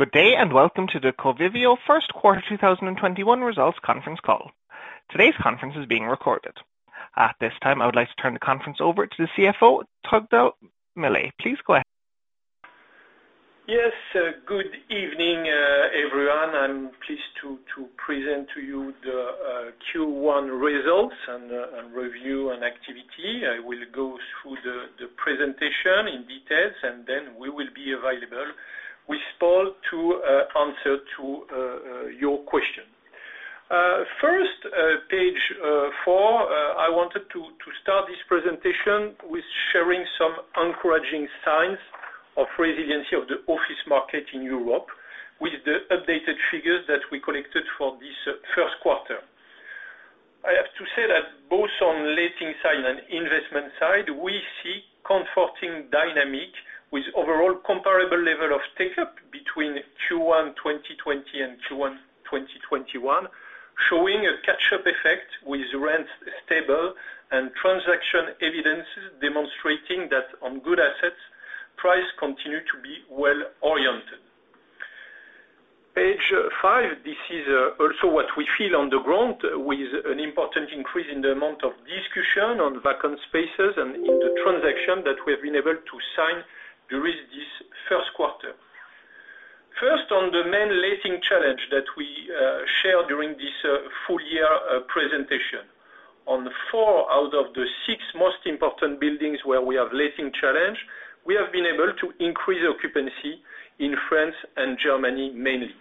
Good day, and welcome to the Covivio First Quarter 2021 Results Conference Call. Today's conference is being recorded. At this time, I would like to turn the conference over to the CFO, Tugdual Millet. Please go ahead. Yes. Good evening, everyone. I'm pleased to present to you the Q1 results and review on activity. Then we will be available with Paul to answer to your questions. First, page four, I wanted to start this presentation with sharing some encouraging signs of resiliency of the office market in Europe with the updated figures that we collected for this first quarter. I have to say that both on letting side and investment side, we see comforting dynamic with overall comparable level of take-up between Q1 2020 and Q1 2021, showing a catch-up effect with rent stable. Transaction evidences demonstrating that on good assets, price continue to be well-oriented. Page five. This is also what we feel on the ground with an important increase in the amount of discussion on vacant spaces. In the transaction that we have been able to sign during this first quarter. First, on the main letting challenge that we shared during this full year presentation. On four out of the six most important buildings where we have letting challenge, we have been able to increase occupancy in France and Germany mainly.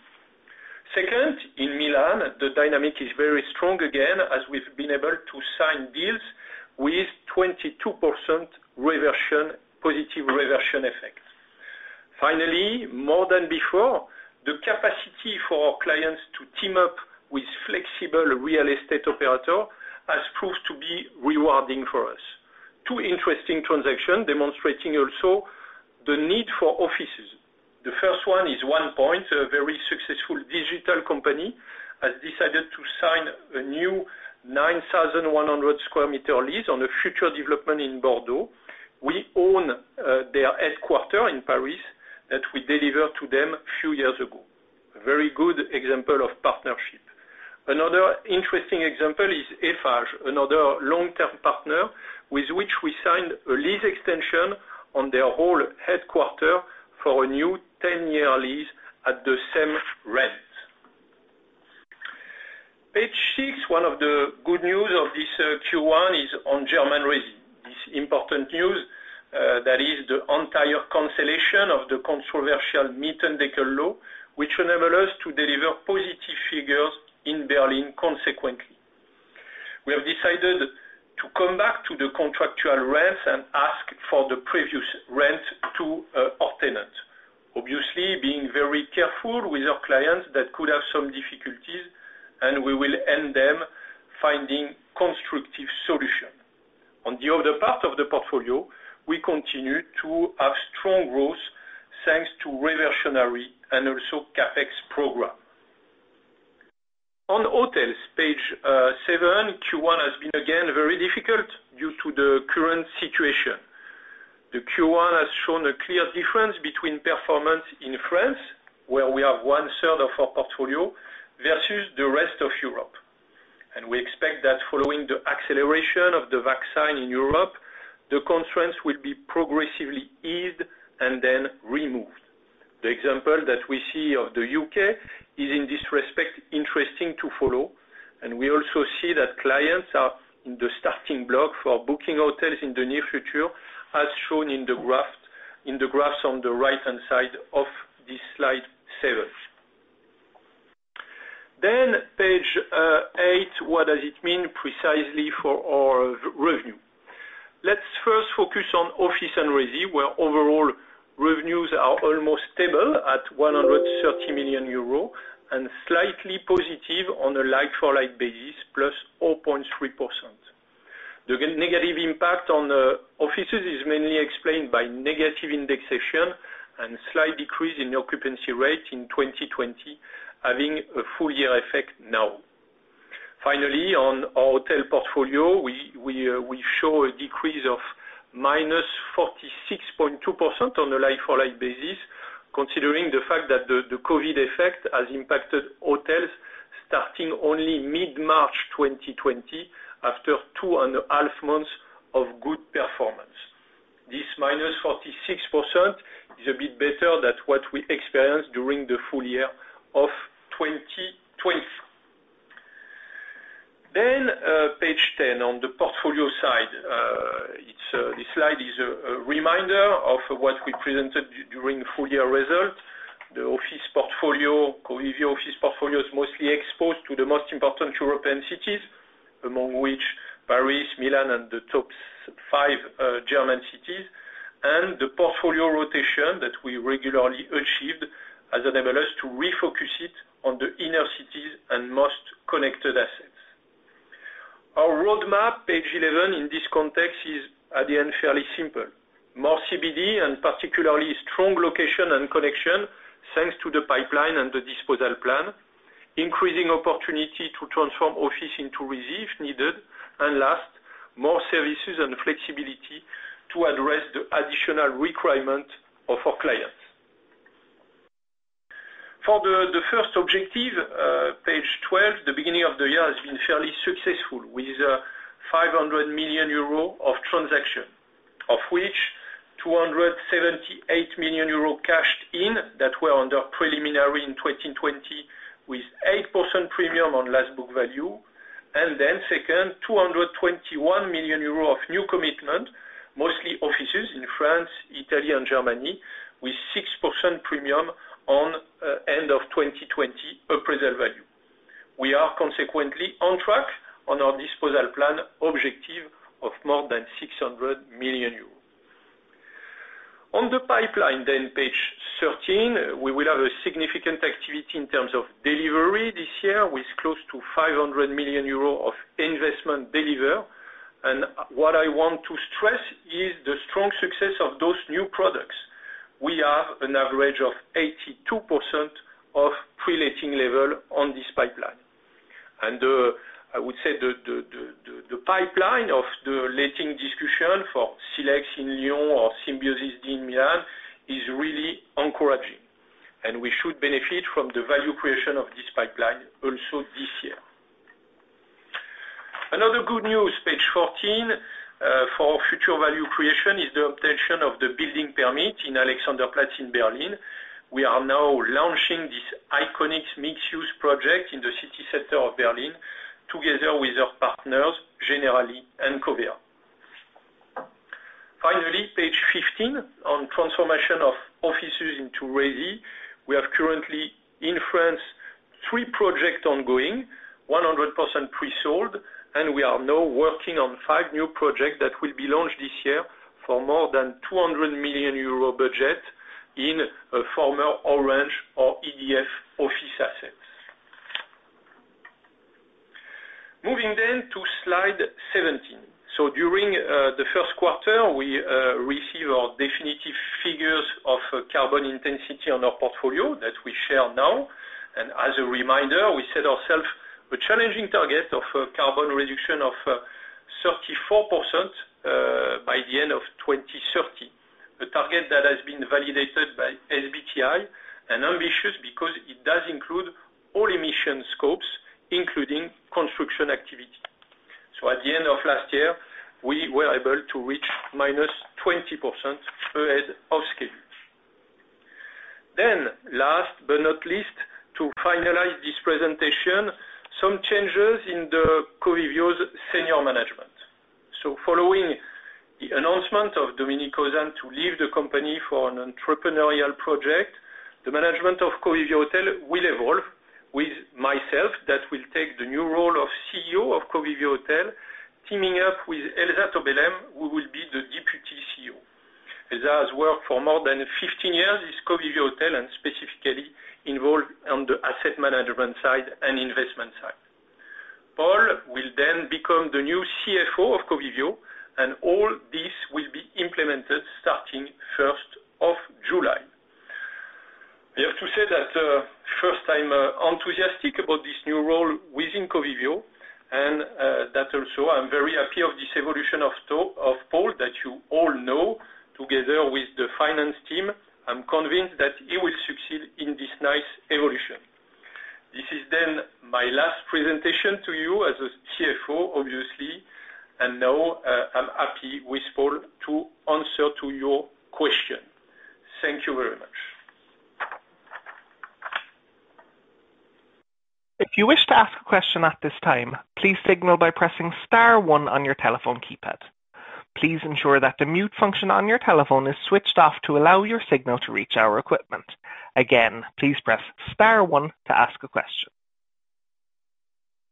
Second, in Milan, the dynamic is very strong again, as we've been able to sign deals with 22% positive reversion effect. Finally, more than before, the capacity for our clients to team up with flexible real estate operator has proved to be rewarding for us. Two interesting transaction demonstrating also the need for offices. The first one is Onepoint, a very successful digital company, has decided to sign a new 9,100 sq m lease on a future development in Bordeaux. We own their headquarter in Paris that we delivered to them a few years ago. A very good example of partnership. Another interesting example is Eiffage, another long-term partner with which we signed a lease extension on their whole headquarter for a new 10-year lease at the same rent. Page six. One of the good news of this Q1 is on German resi. This important news, that is the entire cancellation of the controversial Mietendeckel law, which enable us to deliver positive figures in Berlin consequently. We have decided to come back to the contractual rent and ask for the previous rent to our tenants. Obviously, being very careful with our clients that could have some difficulties, we will end them finding constructive solution. On the other part of the portfolio, we continue to have strong growth, thanks to reversionary and also CapEx program. On hotels, page seven, Q1 has been again very difficult due to the current situation. The Q1 has shown a clear difference between performance in France, where we have one-third of our portfolio versus the rest of Europe. We expect that following the acceleration of the vaccine in Europe, the constraints will be progressively eased and then removed. The example that we see of the U.K. is in this respect interesting to follow, we also see that clients are in the starting block for booking hotels in the near future, as shown in the graphs on the right-hand side of this slide seven. Page eight, what does it mean precisely for our revenue? Let's first focus on office and resi, where overall revenues are almost stable at 130 million euros and slightly positive on a like-for-like basis, plus 4.3%. The negative impact on the offices is mainly explained by negative indexation and slight decrease in occupancy rate in 2020, having a full year effect now. Finally, on our hotel portfolio, we show a decrease of -46.2% on a like-for-like basis, considering the fact that the COVID effect has impacted hotels starting only mid-March 2020 after two and a half months of good performance. This -46% is a bit better than what we experienced during the full year of 2020. Page 10, on the portfolio side. This slide is a reminder of what we presented during full year results. The Covivio office portfolio is mostly exposed to the most important European cities, among which Paris, Milan, and the top five German cities, the portfolio rotation that we regularly achieved as developers to refocus it on the inner cities and most connected assets. Our roadmap, page 11, in this context is at the end fairly simple. More CBD and particularly strong location and connection, thanks to the pipeline and the disposal plan. Increasing opportunity to transform office into resi if needed. Last, more services and flexibility to address the additional requirement of our clients. For the first objective, page 12, the beginning of the year has been fairly successful, with 500 million euro of transaction, of which 278 million euro cashed in that were under preliminary in 2020 with 8% premium on last book value. Second, 221 million euro of new commitment, mostly offices in France, Italy, and Germany, with 6% premium on end of 2020 appraisal value. We are consequently on track on our disposal plan objective of more than 600 million euros. On the pipeline then, page 13, we will have a significant activity in terms of investment delivered this year, with close to 500 million euro. What I want to stress is the strong success of those new products. We have an average of 82% of pre-letting level on this pipeline. I would say the pipeline of the letting discussion for Silex in Lyon or Symbiosis in Milan is really encouraging, and we should benefit from the value creation of this pipeline also this year. Another good news, page 14, for future value creation is the obtainment of the building permit in Alexanderplatz in Berlin. We are now launching this iconic mixed-use project in the city center of Berlin together with our partners, Generali and Coveris. Finally, page 15 on transformation of offices into resi. We have currently in France, three projects ongoing, 100% pre-sold, and we are now working on five new projects that will be launched this year for more than 200 million euro budget in former Orange or EDF office assets. Moving then to slide 17. During the first quarter, we received our definitive figures of carbon intensity on our portfolio that we share now. As a reminder, we set ourself a challenging target of carbon reduction of 34% by the end of 2030. The target that has been validated by SBTi, and ambitious because it does include all emission scopes, including construction activity. At the end of last year, we were able to reach minus 20% ahead of scale. Last but not least, to finalize this presentation, some changes in the Covivio senior management. Following the announcement of Dominique Ozanne to leave the company for an entrepreneurial project, the management of Covivio Hotels will evolve with myself, that will take the new role of CEO of Covivio Hotels, teaming up with Elsa Tobelem, who will be the Deputy CEO. Elsa has worked for more than 15 years in Covivio Hotels, and specifically involved on the asset management side and investment side. Paul will then become the new CFO of Covivio, and all this will be implemented starting 1st of July. We have to say that first, I'm enthusiastic about this new role within Covivio, and that also I'm very happy of this evolution of Paul that you all know, together with the finance team. I'm convinced that he will succeed in this nice evolution. This is then my last presentation to you as a CFO, obviously. Now, I'm happy with Paul to answer to your question. Thank you very much. If you wish to ask a question at this time, please signal by pressing star one on your telephone keypad. Please ensure that the mute function on your telephone is switched off to allow your signal to reach our equipment. Again, please press star one to ask a question.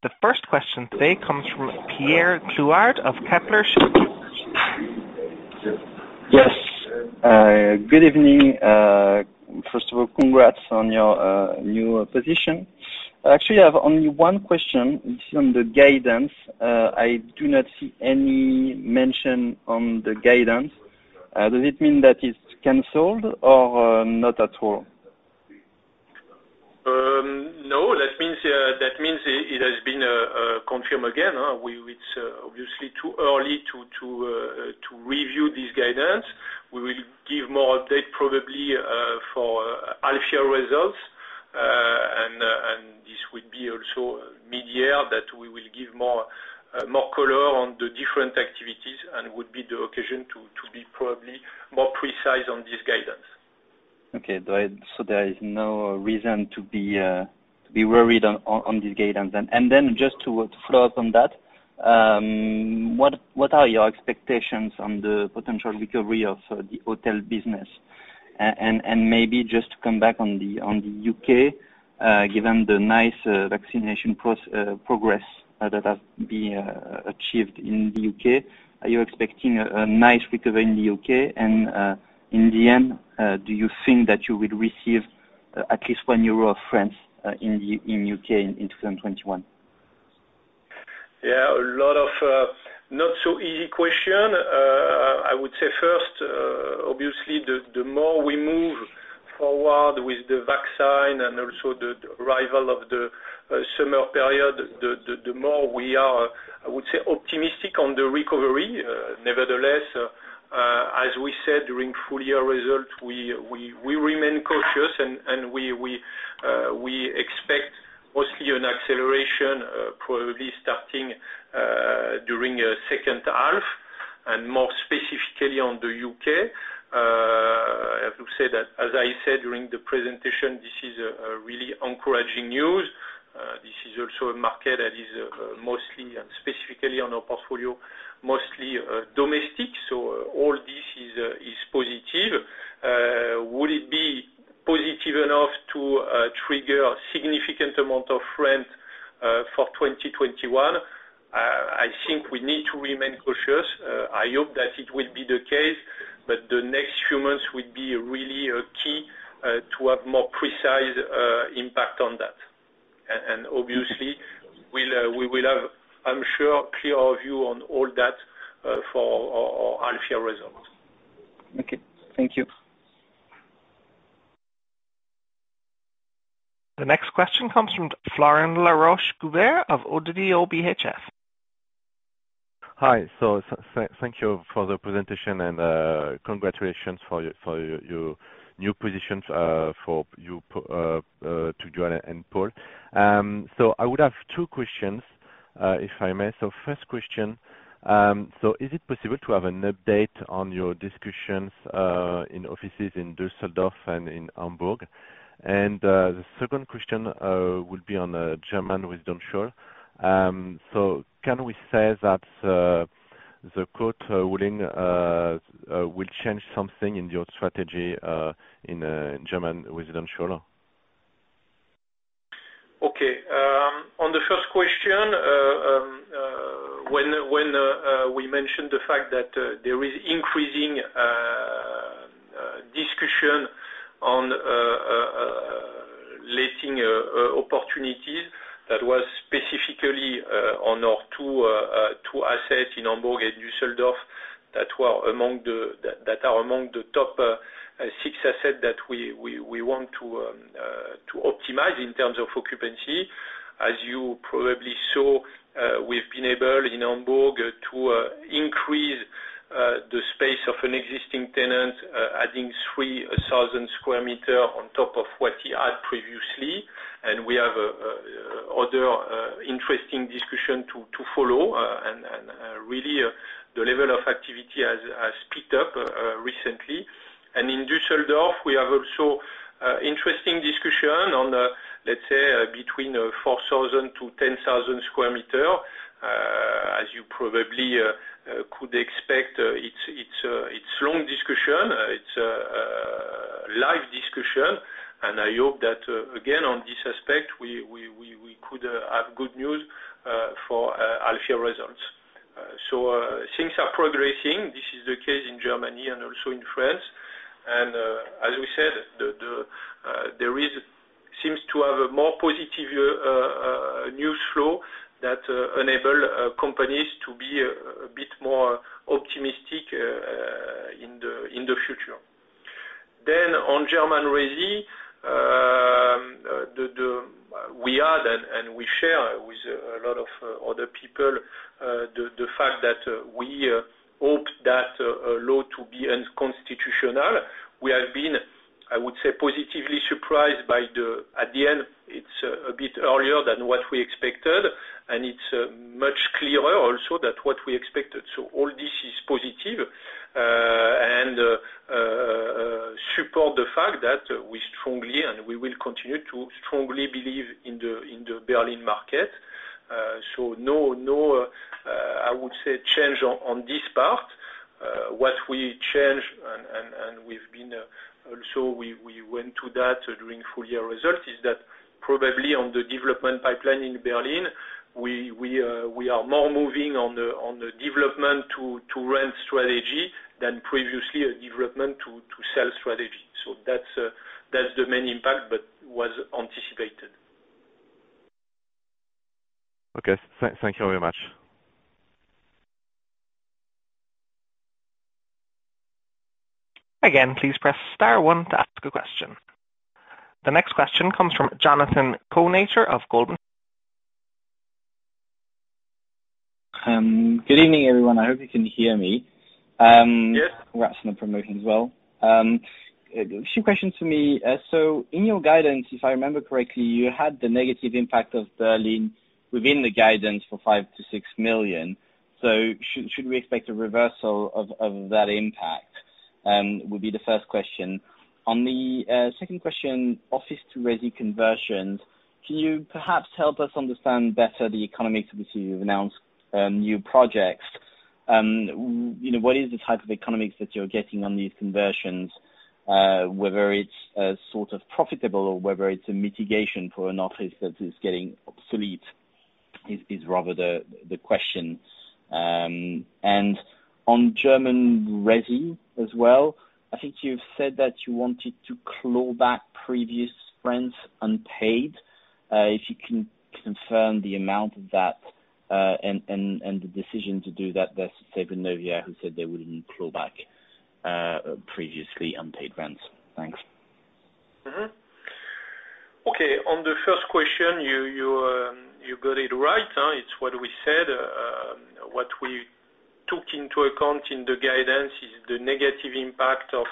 The first question today comes from Pierre Galichon of Kepler Cheuvreux. Yes. Good evening. First of all, congrats on your new position. Actually, I have only one question. It's on the guidance. I do not see any mention on the guidance. Does it mean that it's canceled or not at all? No, that means it has been confirmed again. It's obviously too early to review this guidance. We will give more update probably for half year results. This would be also mid-year that we will give more color on the different activities and would be the occasion to be probably more precise on this guidance. Okay. There is no reason to be worried on this guidance then. Just to follow up on that, what are your expectations on the potential recovery of the hotel business? Maybe just to come back on the U.K., given the nice vaccination progress that has been achieved in the U.K., are you expecting a nice recovery in the U.K.? In the end, do you think that you will receive at least one EUR of tranche in U.K. in 2021? Yeah, a lot of not so easy question. I would say first, obviously, the more we move forward with the vaccine and also the arrival of the summer period, the more we are, I would say, optimistic on the recovery. Nevertheless, as we said during full-year results, we remain cautious and we expect mostly an acceleration, probably starting during second half and more specifically on the U.K. I have to say that, as I said during the presentation, this is a really encouraging news. This is also a market that is mostly, and specifically on our portfolio, mostly domestic. All this is positive. Would it be positive enough to trigger a significant amount of rent for 2021? I think we need to remain cautious. I hope that it will be the case, but the next few months will be really key to have more precise impact on that. Obviously, we will have, I'm sure, clearer view on all that for our half-year results. Okay. Thank you. The next question comes from Florent Laroche-Joubert of Oddo BHF. Hi. Thank you for the presentation and congratulations for your new positions, for you Tagdual and Paul. I would have two questions, if I may. First question, is it possible to have an update on your discussions, in offices in Düsseldorf and in Hamburg? The second question will be on German residential. Can we say that the court ruling will change something in your strategy in German residential? Okay. On the first question, when we mentioned the fact that there is increasing discussion on leasing opportunities, that was specifically on our two assets in Hamburg and Düsseldorf that are among the top six assets that we want to optimize in terms of occupancy. As you probably saw, we've been able, in Hamburg, to increase the space of an existing tenant, adding 3,000 sq m on top of what he had previously. We have other interesting discussion to follow. Really, the level of activity has picked up recently. In Düsseldorf, we have also interesting discussion on, let's say, between 4,000 to 10,000 sq m. As you probably could expect, it's long discussion. It's live discussion, and I hope that, again, on this aspect, we could have good news for half-year results. Things are progressing. This is the case in Germany and also in France. As we said, there seems to have a more positive news flow that enable companies to be a bit more optimistic in the future. On German resi, we are, and we share with a lot of other people, the fact that we hope that law to be unconstitutional. We have been, I would say, positively surprised by the, at the end, it's a bit earlier than what we expected, and it's much clearer also than what we expected. All this is positive and support the fact that we strongly, and we will continue to strongly believe in the Berlin market. No, I would say, change on this part. What we change, and we went to that during full year results, is that probably on the development pipeline in Berlin, we are more moving on the development to rent strategy than previously a development to sell strategy. That's the main impact, but was anticipated. Okay. Thank you very much. Again, please press star one to ask a question. The next question comes from Jonathan Kownator of Goldman Sachs. Good evening, everyone. I hope you can hear me. Yes. Congrats on the promotion as well. A few questions for me. In your guidance, if I remember correctly, you had the negative impact of Berlin within the guidance for 5 million-6 million. Should we expect a reversal of that impact? Would be the first question. On the second question, office to resi conversions, can you perhaps help us understand better the economics? Obviously, you've announced new projects. What is the type of economics that you're getting on these conversions? Whether it's sort of profitable or whether it's a mitigation for an office that is getting obsolete, is rather the question. On German resi as well, I think you've said that you wanted to claw back previous rents unpaid. If you can confirm the amount of that, and the decision to do that versus Vonovia, who said they wouldn't claw back previously unpaid rents. Thanks. Okay. On the first question, you got it right. It's what we said. What we took into account in the guidance is the negative impact of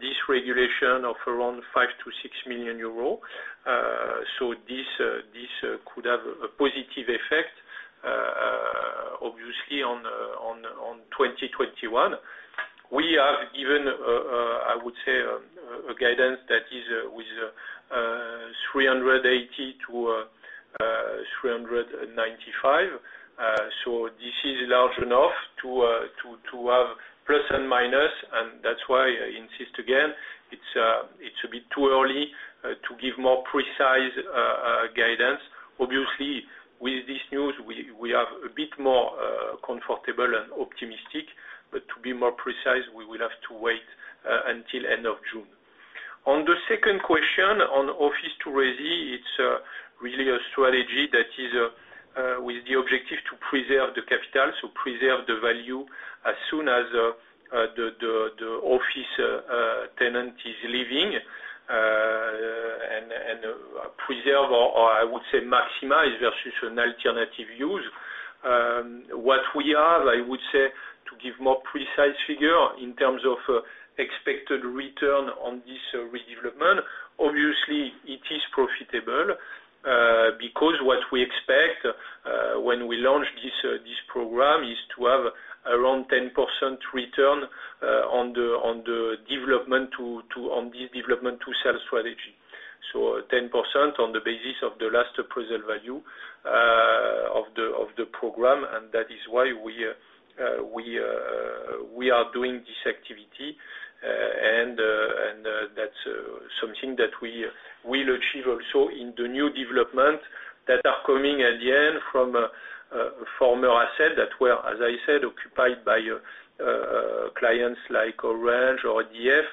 this regulation of around 5 million-6 million euro. This could have a positive effect, obviously, on 2021. We have given, I would say, a guidance that is with 380 million-395 million. This is large enough to have plus and minus, and that's why I insist again, it's a bit too early to give more precise guidance. Obviously, with this news, we are a bit more comfortable and optimistic, but to be more precise, we will have to wait until end of June. On the second question on office to resi, it's really a strategy that is with the objective to preserve the capital. Preserve the value as soon as the office tenant is leaving, and preserve, or I would say maximize versus an alternative use. What we have, I would say, to give more precise figure in terms of expected return on this redevelopment, obviously it is profitable. What we expect when we launch this program is to have around 10% return on this development to sell strategy. 10% on the basis of the last preserved value of the program, and that is why we are doing this activity. That's something that we will achieve also in the new development that are coming at the end from former asset that were, as I said, occupied by clients like Orange or EDF,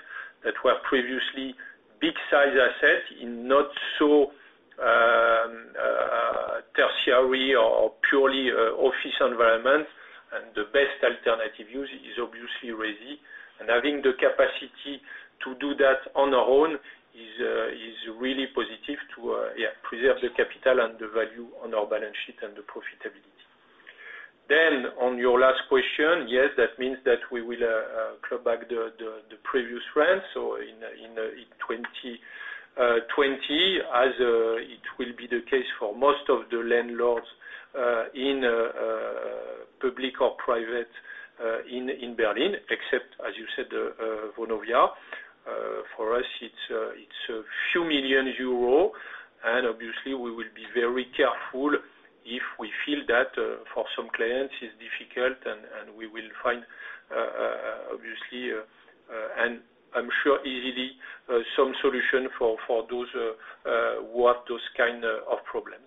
that were previously big size asset in not so tertiary or purely office environment. The best alternative use is obviously resi. Having the capacity to do that on our own is really positive to preserve the capital and the value on our balance sheet and the profitability. On your last question, yes, that means that we will claw back the previous rent. In 2020, as it will be the case for most of the landlords in public or private in Berlin, except, as you said, Vonovia. For us, it's a few million EUR. Obviously, we will be very careful if we feel that for some clients it's difficult, and we will find, obviously, and I'm sure, easily, some solution for those who have those kind of problems.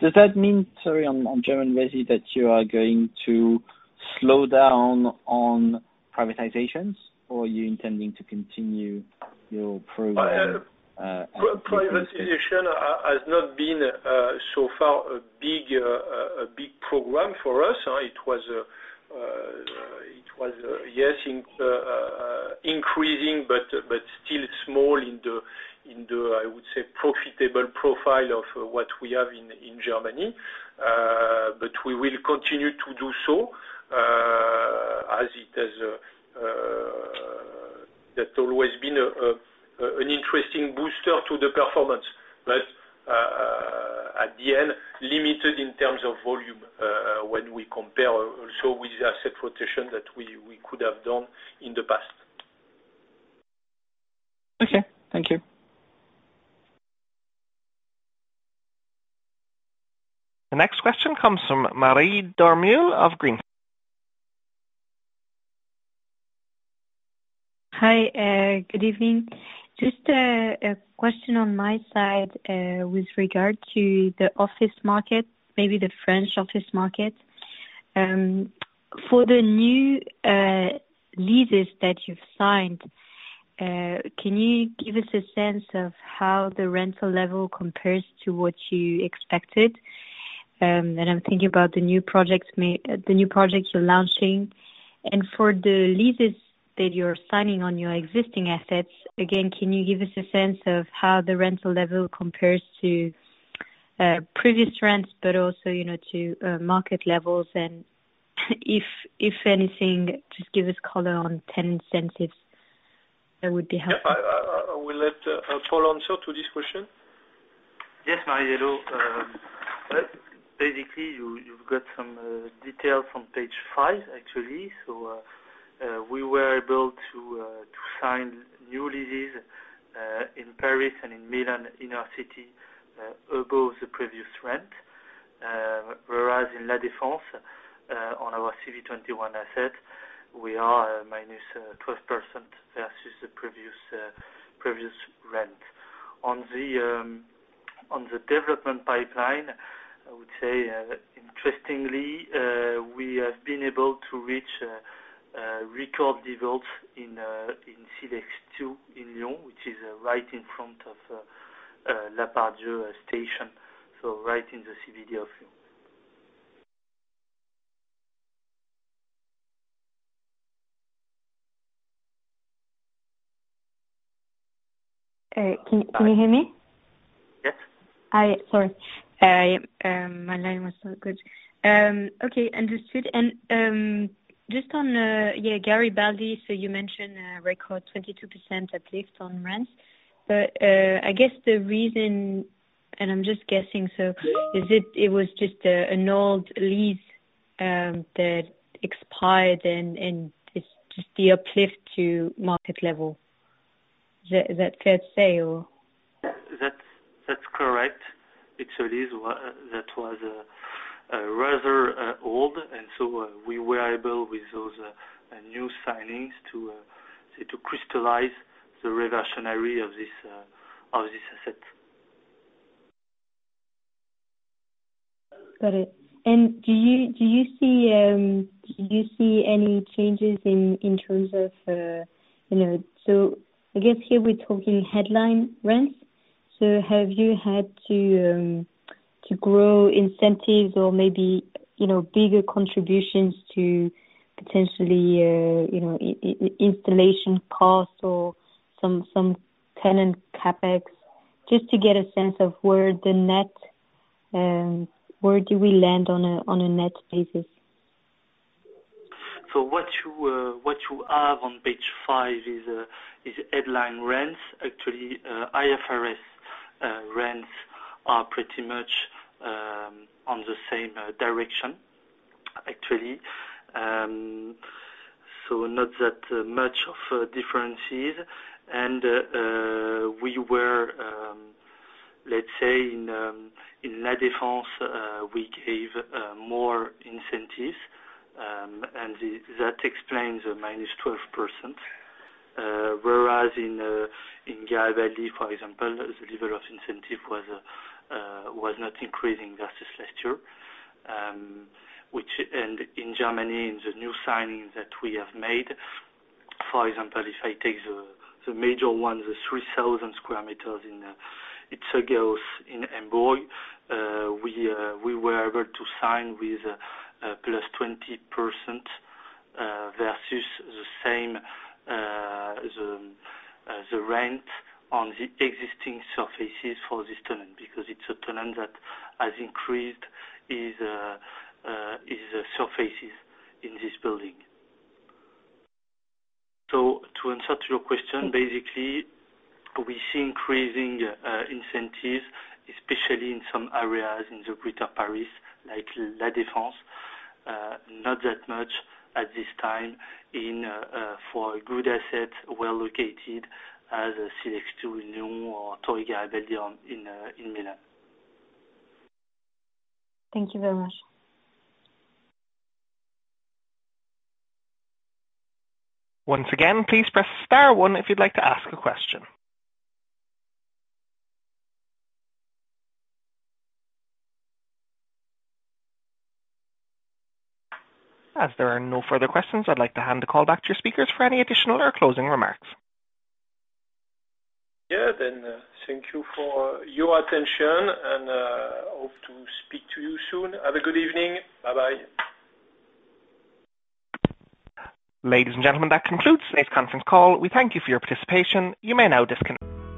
Does that mean, sorry, on German resi, that you are going to slow down on privatizations? Or are you intending to continue your program? Privatization has not been, so far, a big program for us. It was increasing, but still small in the, I would say, profitable profile of what we have in Germany. We will continue to do so, as that's always been an interesting booster to the performance. At the end, limited in terms of volume when we compare also with the asset rotation that we could have done in the past. Okay. Thank you. The next question comes from Marie Dormeuil of Green Street. Hi, good evening. Just a question on my side with regard to the office market, maybe the French office market. For the new leases that you've signed, can you give us a sense of how the rental level compares to what you expected? I'm thinking about the new projects you're launching. For the leases that you're signing on your existing assets, again, can you give us a sense of how the rental level compares to previous rents, but also to market levels? If anything, just give us color on tenant incentives. That would be helpful. I will let Paul answer to this question. Yes, Marie. Hello. Basically, you've got some details on page five, actually. We were able to sign new leases in Paris and in Milan, in our city, above the previous rent. Whereas in La Défense, on our CB21 asset, we are minus 12% versus the previous rent. On the development pipeline, I would say interestingly, we have been able to reach record levels in Silex 2 in Lyon, which is right in front of La Part Dieu station, right in the CBD of Lyon. Can you hear me? Yes. Hi. Sorry. My line was not good. Okay, understood. Just on Gare de Lyon, you mentioned a record 22% uplift on rents. I guess the reason, and I'm just guessing, is it was just an old lease that expired and it's just the uplift to market level. Is that fair to say? That's correct. It's a lease that was rather old, we were able, with those new signings, to crystallize the reversionary of this asset. Got it. Do you see any changes in terms of I guess here we're talking headline rents. Have you had to grow incentives or maybe bigger contributions to potentially installation costs or some tenant CapEx, just to get a sense of where do we land on a net basis? What you have on page five is headline rents. Actually, IFRS rents are pretty much on the same direction. Not that much of differences. We were, let's say in La Défense, we gave more incentives, and that explains the -12%. Whereas in Gare de Lyon, for example, the level of incentive was not increasing versus last year. In Germany, in the new signings that we have made, for example, if I take the major one, the 3,000 sq m in Itzehoe in Hamburg, we were able to sign with a +20% versus the same rent on the existing surfaces for this tenant, because it's a tenant that has increased his surfaces in this building. To answer to your question, basically, we see increasing incentives, especially in some areas in the Greater Paris, like La Défense. Not that much at this time for a good asset, well-located as Silex 2 in Lyon or Torre Garibaldi in Milan. Thank you very much. Once again, please press star one if you'd like to ask a question. As there are no further questions, I'd like to hand the call back to your speakers for any additional or closing remarks. Yeah. Thank you for your attention and hope to speak to you soon. Have a good evening. Bye-bye. Ladies and gentlemen, that concludes today's conference call. We thank you for your participation. You may now disconnect.